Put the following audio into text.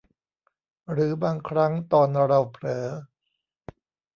หรือบางครั้งตอนเราเผลอ